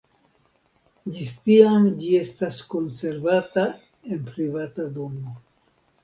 Ĝis tiam ĝi estas konservata en privata domo.